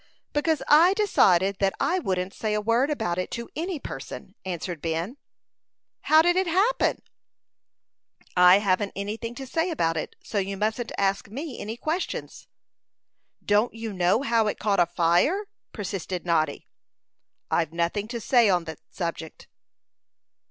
"Because I decided that I wouldn't say a word about it to any person," answered Ben. "How did it happen?" "I haven't anything to say about it; so you mustn't ask me any questions." "Don't you know how it caught afire?" persisted Noddy. "I've nothing to say on that subject."